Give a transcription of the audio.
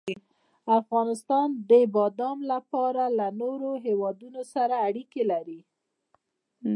افغانستان د بادام له پلوه له نورو هېوادونو سره اړیکې لري.